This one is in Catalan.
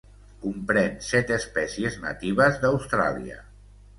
Comprèn set espècies natives d'Austràlia.